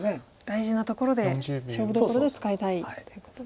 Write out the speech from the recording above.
大事なところで勝負どころで使いたいと。